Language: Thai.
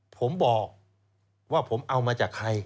ผมบอกว่าผมเอามาจากใคร